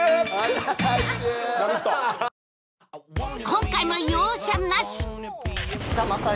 今回も容赦なし！